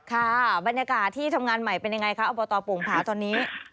ค่ะบรรยากาศที่ทำงานใหม่เป็นยังไงคะอบตโป่งผาตอนนี้